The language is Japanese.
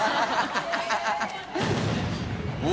ハハハ